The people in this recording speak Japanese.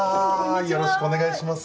よろしくお願いします。